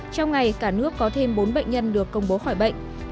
trong ngày cả nước có thêm bốn bệnh nhân được công bố khỏi bệnh